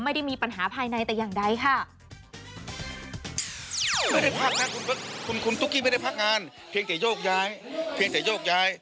ไม่ได้มีปัญหาภายในแต่อย่างใดค่ะ